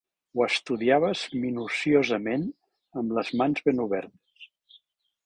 Ho estudiaves minuciosament amb les mans ben obertes.